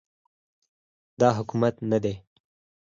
دا حکومت نه دی